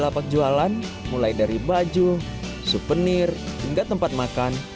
lapak jualan mulai dari baju suvenir hingga tempat makan